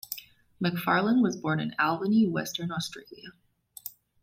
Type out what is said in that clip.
McFarlane was born in Albany, Western Australia.